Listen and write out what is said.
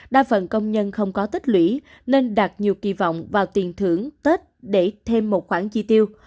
đa phần công nhân không có tích lũy nên đạt nhiều kỳ vọng vào tiền thưởng tết để thêm một khoản chi tiêu